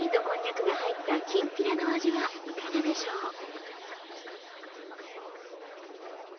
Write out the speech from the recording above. こんにゃくが入ったきんぴらの味はいかがでしょう？